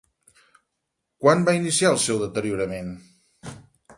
Quan va iniciar el seu deteriorament?